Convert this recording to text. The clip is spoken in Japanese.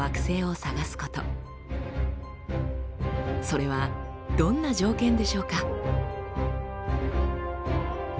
それはどんな条件でしょうか？